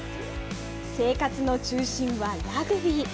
生活の中心はラグビー。